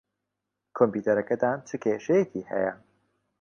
کۆمپیوتەرەکەتان چ کێشەیەکی ھەیە؟